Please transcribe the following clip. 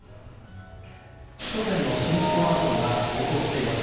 首都圏の新築マンションが高騰しています。